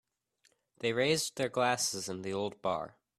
They raised their glasses in the old bar.